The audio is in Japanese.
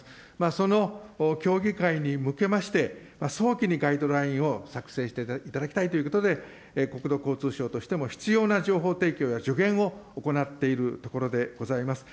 その協議会に向けまして、早期にガイドラインを作成していただきたいということで、国土交通省としても、必要な情報提供や助言を行っているところでございます。